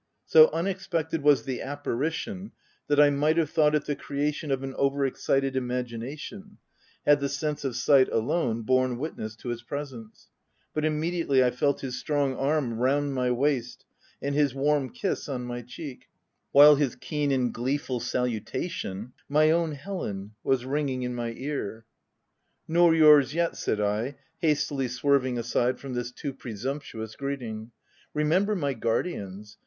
So unexpected was the apparition, that I might have thought it the creation of an over excited imagination, had the sense of sight alone borne witness to his presence 5 but immediately I felt his strong arm round my waist and his warm kiss on my cheek, while his keen and gleeful salutation, " My own Helen !" was ringing in my ear. "Nor yours yet/' said I, hastily swerving OF WILDFELL HALL. 8 aside from this too presumptuous greeting — iC remember my guardians.